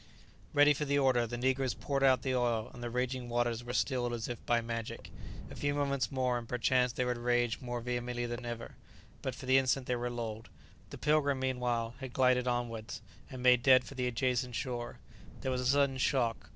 Ready for the order, the negroes poured out the oil, and the raging waters were stilled as if by magic. A few moments more and perchance they would rage more vehemently than ever. But for the instant they were lulled. The "Pilgrim," meanwhile, had glided onwards, and made dead for the adjacent shore. There was a sudden shock.